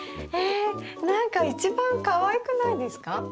え何か一番かわいくないですか？